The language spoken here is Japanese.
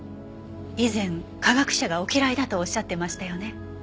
以前科学者がお嫌いだとおっしゃってましたよね。